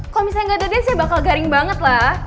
kalo misalnya gak ada dance ya bakal garing banget lah